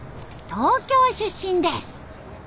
東京出身です。